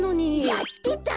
やってたよ！